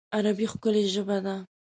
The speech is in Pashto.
عربي ښکلی ژبه ده